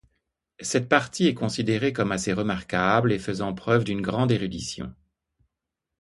Cette partie est considérée comme assez remarquable et faisant preuve d'une grande érudition.